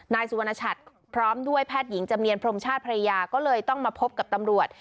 นายสุวรรณชัดพร้อมด้วยแพทย์หญิงจำเนียนพรมชาติภรรยาก็เลยต้องมาพบกับตำรวจ